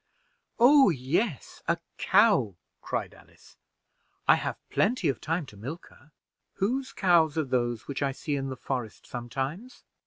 "Oh yes, a cow," cried Alice, "I have plenty of time to milk her." "Whose cows are those which I see in the forest sometimes?"